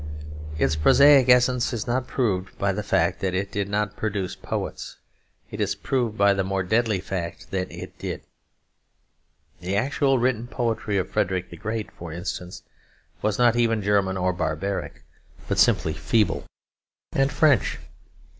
Its prosaic essence is not proved by the fact that it did not produce poets: it is proved by the more deadly fact that it did. The actual written poetry of Frederick the Great, for instance, was not even German or barbaric, but simply feeble and French.